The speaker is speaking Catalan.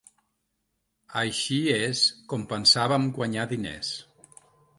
Així és com pensàvem guanyar diners.